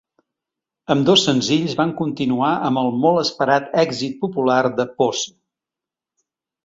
Ambdós senzills van continuar amb el molt esperat èxit popular de Posse.